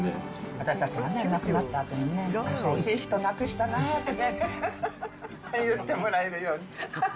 私たちが亡くなったあとにね、惜しい人を亡くしたなと言ってもらえるように。